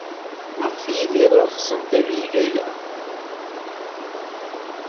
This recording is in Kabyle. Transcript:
Maɣef d Yidir ay ɣsent ad yeg aya?